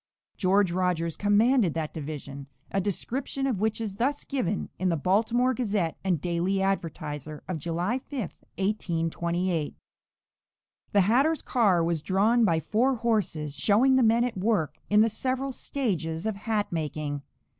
George Rogers commanded that division, a description of which is thus given in the Baltimore Gazette and Daily Advertiser of July 5, 1828: "The hatters' car was drawn by four horses, showing the men at work in the several stages of hat making.